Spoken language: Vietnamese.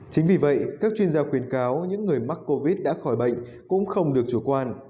chính vì vậy các chuyên gia khuyến cáo những người mắc covid đã khỏi bệnh cũng không được chủ quan